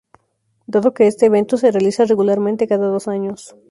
Dado que este evento se realiza regularmente cada dos años.